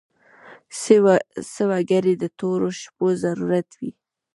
څه وګړي د تورو شپو ضرورت وي.